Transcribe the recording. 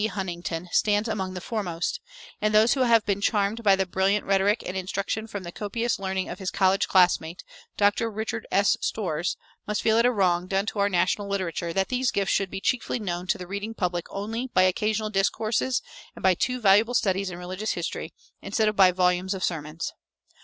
Huntington stands among the foremost; and those who have been charmed by the brilliant rhetoric and instructed from the copious learning of his college classmate, Dr. Richard S. Storrs, must feel it a wrong done to our national literature that these gifts should be chiefly known to the reading public only by occasional discourses and by two valuable studies in religious history instead of by volumes of sermons.